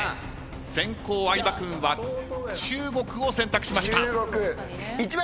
先攻相葉君は中国を選択しました。